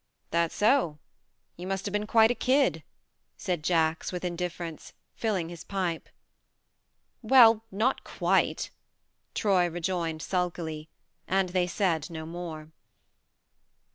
"That so? You must have been quite a kid," said Jacks with indiffer ence, filling his pipe. "Well not quite" Troy rejoined sulkily ; and they said no more.